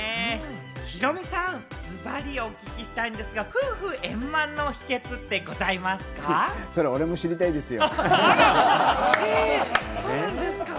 ヒロミさん、ズバリお聞きしたいんですが、夫婦円満の秘訣ってごそれ俺も知りたいですよ。